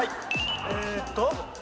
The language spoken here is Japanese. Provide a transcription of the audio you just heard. えっと？